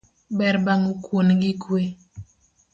Ber bang'o kuon gi kwe.